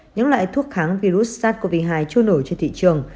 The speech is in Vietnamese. những loại thuốc kháng virus sars cov hai trôi nổi trên thị trường